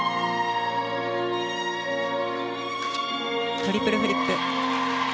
トリプルフリップ。